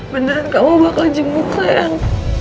beneran kamu bakal jemput sayang